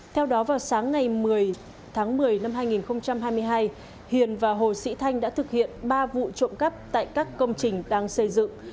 theo đó vào sáng ngày một mươi tháng một mươi năm hai nghìn hai mươi hai hiền và hồ sĩ thanh đã thực hiện ba vụ trộm cắp tại các công trình đang xây dựng